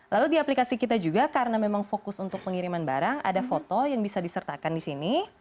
lalu di aplikasi kita juga karena memang fokus untuk pengiriman barang ada foto yang bisa disertakan di sini